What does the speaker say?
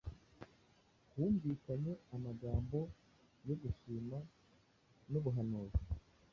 Humvikanye amagambo yo gushima n’ubuhanuzi.